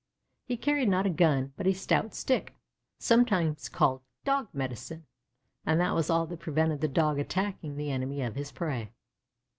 He carried, not a gun, but a stout stick, sometimes called "dog medicine," and that was all that prevented the Dog attacking the enemy of his prey.